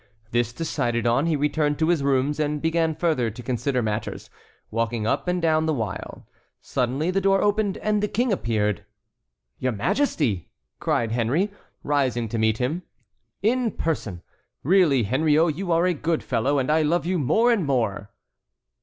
This decided on, he returned to his rooms and began further to consider matters, walking up and down the while. Suddenly the door opened and the King appeared. "Your Majesty!" cried Henry, rising to meet him. "In person. Really, Henriot, you are a good fellow, and I love you more and more."